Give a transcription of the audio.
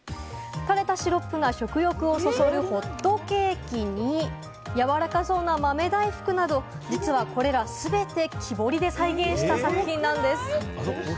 垂れたシロップが食欲をそそるホットケーキに、やわらかそうな豆大福など、実はこれら全て木彫りで再現された作品なんです。